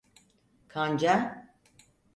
Kanca…